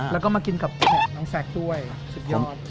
แล้วก็มากินกับของน้องแซคด้วยสุดยอด